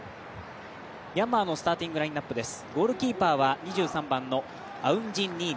ミャンマーのスターティングラインナップです。